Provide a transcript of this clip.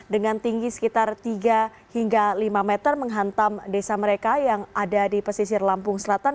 dengan tinggi sekitar tiga hingga lima meter menghantam desa mereka yang ada di pesisir lampung selatan